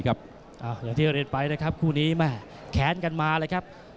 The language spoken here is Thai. อย่างที่เรียนไปนะครับคู่นี้แม่แค้นกันมาเลยครับ